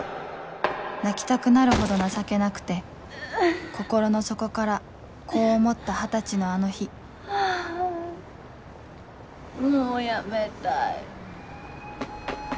泣きたくなるほど情けなくて心の底からこう思った二十歳のあの日もう辞めたい。